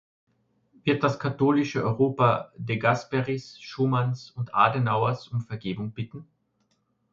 Wird das katholische Europa de Gasperis, Schumanns und Adenauers um Vergebung bitten?